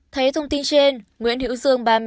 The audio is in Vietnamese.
thấy thông tin trên nguyễn hữu dương